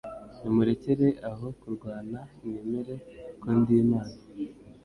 Nimurekere aho kurwana mwemere ko ndi Imana